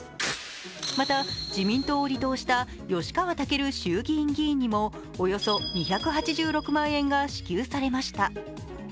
また、自民党を離党した吉川赳衆議院議員にもおよそ２８６万円が支給されました。